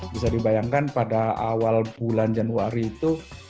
bisa dibayangkan pada awal bulan januari itu